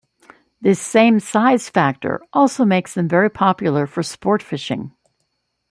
This same size factor also makes them very popular for sport fishing.